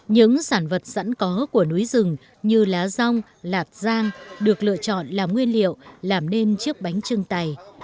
những sản vật sẵn có của núi rừng như lá rong lạt rang được lựa chọn làm nguyên liệu làm nên chiếc bánh trưng tài